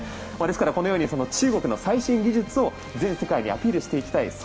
ですから、中国の最新技術を全世界にアピールしていきたい